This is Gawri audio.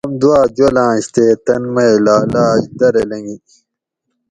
آم دوا جولاںش تے تن مئ لالاۤچ درہ لنگی